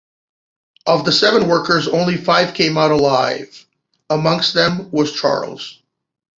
Of the seven workers, only five came out alive, among them was Charles.